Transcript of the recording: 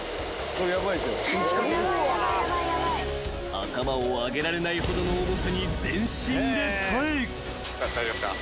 ［頭を上げられないほどの重さに全身で耐え］